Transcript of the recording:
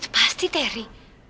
itu pasti teri